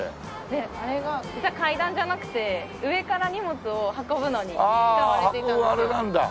あれが実は階段じゃなくて上から荷物を運ぶのに使われていたんですよ。